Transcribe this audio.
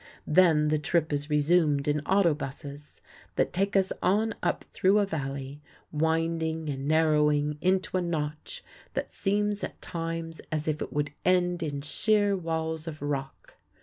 Then the trip is resumed in auto buses that take us on up through a valley, winding and narrowing into a notch that seems at times as if it would end in sheer walls of rock.